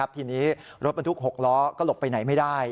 ทีนี้รถบรรทุก๖ล้อก็หลบไปไหนไม่ได้